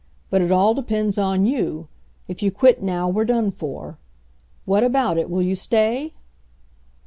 But it all depends on you. If you quit now we're done for. What about it, will you stay